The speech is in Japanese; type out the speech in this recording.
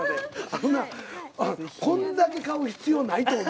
あのなこんなに買う必要ないと思う。